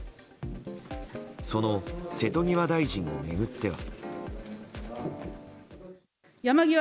その瀬戸際大臣を巡っては。